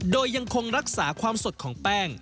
โดยยังคงรักษาความสดของแป้ง